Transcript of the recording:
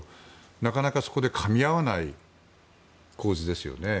なかなかそこでかみ合わない構図ですよね。